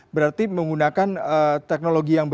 berarti menggunakan teknologi yang berbeda